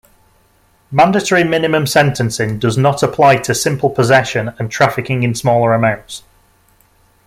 Mandatory minimum sentencing does not apply to simple possession and trafficking in smaller amounts.